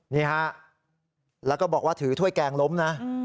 ที่ช่วงนี้บอกว่าถือถ้วยแกงล้มนะ